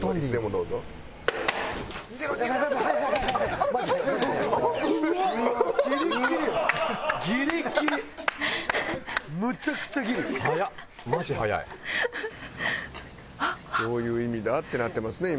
どういう意味だ？ってなってますね